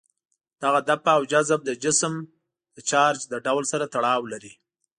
دغه دفع او جذب د جسم د چارج له ډول سره تړاو لري.